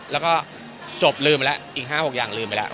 แล้วก็จบลืมไปแล้วอีก๕๖อย่างลืมไปแล้ว